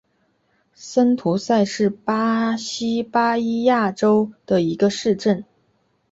森图塞是巴西巴伊亚州的一个市镇。